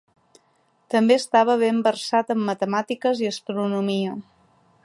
També estava ben versat en matemàtiques i astronomia.